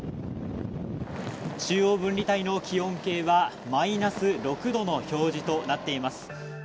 中央分離帯の気温計はマイナス６度の表示となっています。